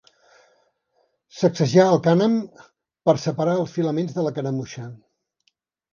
Sacsejar el cànem per separar els filaments de la canemuixa.